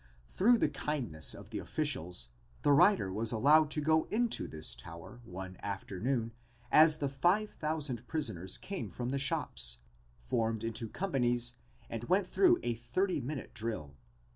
Through the kindness of the officials the writer was allowed to go into this tower one afternoon as the five thousand prisoners came from the shops, formed into companies and went through a thirty minute drill.